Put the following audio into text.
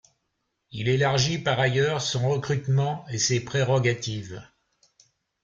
Il élargit par ailleurs son recrutement et ses prérogatives.